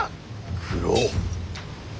九郎。